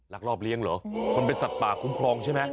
รอบเลี้ยงเหรอมันเป็นสัตว์ป่าคุ้มครองใช่ไหม